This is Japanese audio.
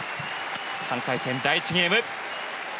３回戦、第１ゲーム。